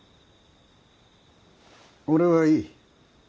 俺はいい。